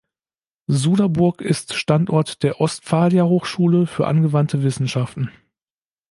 Suderburg ist Standort der Ostfalia Hochschule für angewandte Wissenschaften.